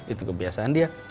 itu kebiasaan dia